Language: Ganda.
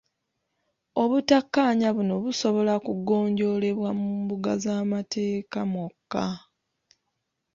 Obutakkaanya buno busobola kugonjoolebwa mu mbuga z'amateeka mwokka.